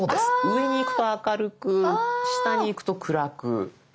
上にいくと明るく下にいくと暗く。